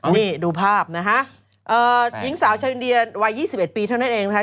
นี่ดูภาพนะฮะหญิงสาวชาวอินเดียวัย๒๑ปีเท่านั้นเองนะคะ